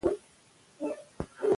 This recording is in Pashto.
زه یوې برخه کې یو څو جملو سره مخ شوم